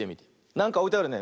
なんかおいてあるね。